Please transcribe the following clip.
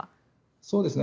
そうですね。